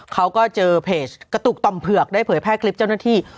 เขาก็เจอเพจกระตุกต่อมเผือกได้เผยแพร่คลิปเจ้าหน้าที่